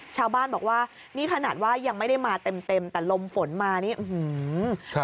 ชาวบ้านบอกว่านี่ขนาดว่ายังไม่ได้มาเต็มเต็มแต่ลมฝนมานี่อื้อหือครับ